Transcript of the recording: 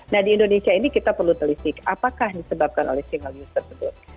nah di indonesia ini kita perlu telisik apakah disebabkan oleh single use tersebut